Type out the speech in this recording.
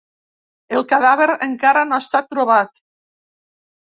El cadàver encara no ha estat trobat.